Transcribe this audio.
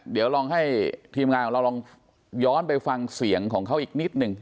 เดี๋ยวลองให้ทีมงานของเราลองย้อนไปฟังเสียงของเขาอีกนิดนึง